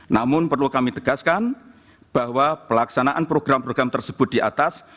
namun perlu kami tegaskan bahwa pelaksanaan program program tersebut di atas